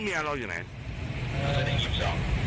เมียเค้าอยู่ข้างใน